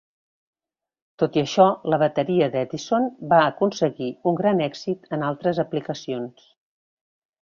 Tot i això, la bateria d'Edison va aconseguir un gran èxit en altres aplicacions.